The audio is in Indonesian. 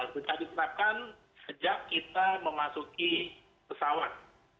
sudah diterapkan sejak kita memasuki pesawat